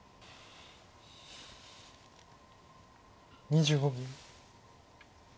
２５秒。